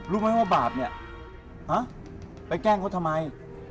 รู้ไหมว่าบาปเนี่ยฮะไปแกล้งเขาทำไม